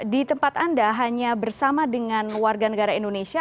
di tempat anda hanya bersama dengan warga negara indonesia